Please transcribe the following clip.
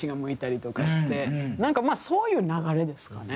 なんかそういう流れですかね。